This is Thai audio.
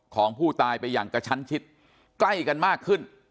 ของผู้ตายไปอย่างกระชั้นชิดใกล้กันมากขึ้น